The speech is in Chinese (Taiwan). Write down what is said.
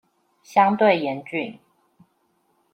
相對嚴峻